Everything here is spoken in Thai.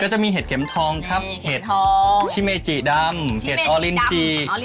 จะมีเห็ดเข็มทองครับเห็ดทองชิเมจิดำเห็ดออลินจี